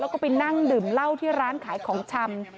แล้วก็ไปนั่งดื่มเหล้าที่ร้านขายของชำ